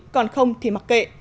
còn không thì mặc kệ